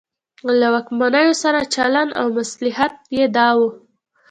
له واکمنو سره چلن او مصلحت یې دا و.